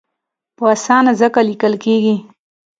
په اسانه ځکه لیکل کېږي.